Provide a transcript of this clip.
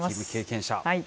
経験者。